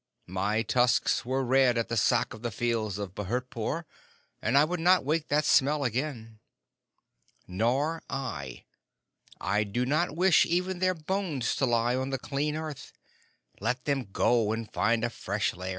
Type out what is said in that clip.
My tusks were red at the Sack of the Fields of Bhurtpore, and I would not wake that smell again." "Nor I. I do not wish even their bones to lie on the clean earth. Let them go and find a fresh lair.